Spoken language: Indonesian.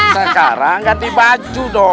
sekarang ganti baju dong